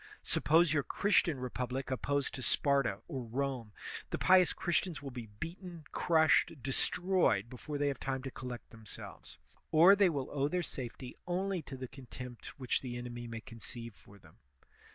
Suppose your Christian republic opposed to Sparta or Rome; the pious Christians will be beaten, crushed, destroyed, before they have time to collect themselves, or they will owe their safety only to the contempt which the enemy may conceive for them.